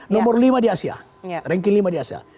nomor lima di asia ranking lima di asia